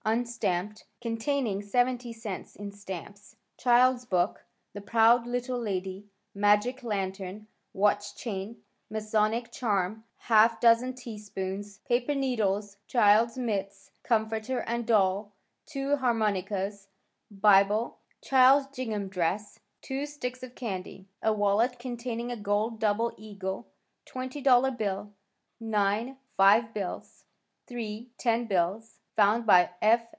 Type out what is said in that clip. unstamped, containing 70 cents in stamps, child's book "The Proud Little Lady," magic lantern, watch chain, masonic charm, ½ dozen teaspoons, paper needles, childs mits, comforter and doll, 2 harmonicons, Bible, child's gingham dress, 2 sticks of candy. A wallet containing a gold double eagle, $20 bill, 9 $5 bills, 3 $10 bills, found by F.